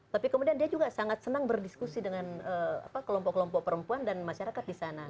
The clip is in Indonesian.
tapi kemudian dia juga sangat senang berdiskusi dengan kelompok kelompok perempuan dan masyarakat di sana